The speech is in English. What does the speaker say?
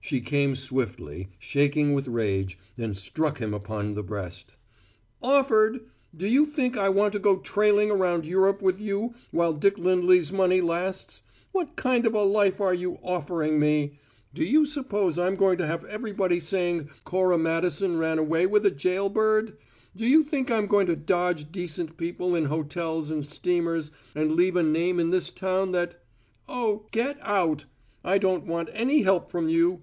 She came swiftly, shaking with rage, and struck him upon the breast. "`Offered'! Do you think I want to go trailing around Europe with you while Dick Lindley's money lasts? What kind of a life are you `offering' me? Do you suppose I'm going to have everybody saying Cora Madison ran away with a jail bird? Do you think I'm going to dodge decent people in hotels and steamers, and leave a name in this town that Oh, get out! I don't want any help from you!